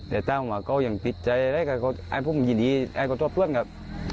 เดะต้ามครับก็ยังปิดใจแล้วกับอะพุ่มยินดีทำพันธ์ครับ